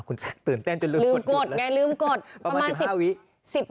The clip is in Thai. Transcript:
คุณซักตื่นเต้นจนลืมกดลืมกดไงลืมกดประมาณสิบห้าวิสิบ